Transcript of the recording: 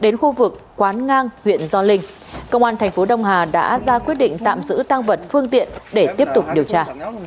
từ quán ngang huyện do linh công an tp đông hà đã ra quyết định tạm giữ tăng vật phương tiện để tiếp tục điều tra